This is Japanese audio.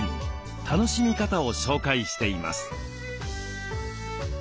楽しみ方を紹介しています。